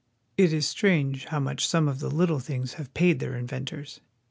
It is strange how much some of the little things have 44 WASHINGTON. paid their inventors.